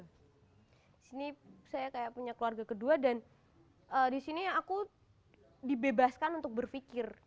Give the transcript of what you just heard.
disini saya kayak punya keluarga kedua dan disini aku dibebaskan untuk berfikir